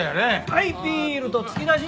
はいビールと突き出し。